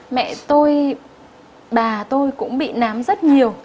mẹ tôi bà tôi cũng bị nám rất nhiều